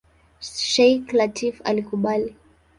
Sheikh Lateef alikubali.